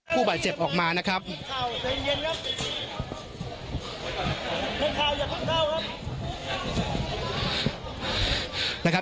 ผู้บาดเจ็บออกมานะครับ